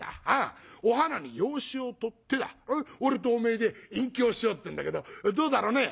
お花に養子をとってだ俺とおめえで隠居をしようってんだけどどうだろうね」。